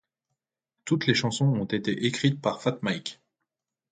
Toutes les chansons ont été écrites par Fat Mike.